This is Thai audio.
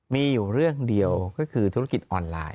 มีอยู่เรื่องเดียวก็คือธุรกิจออนไลน์